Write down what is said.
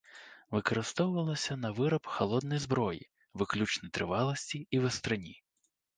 Выкарыстоўвалася на выраб халоднай зброі выключнай трываласці і вастрыні.